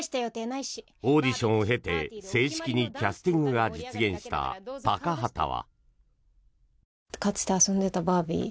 オーディションを経て正式にキャスティングが実現した高畑は。